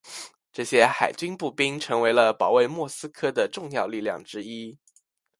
这些海军步兵成为了保卫莫斯科的重要力量之一。